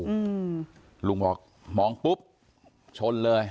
อืมลุงบอกมองปุ๊บชนเลย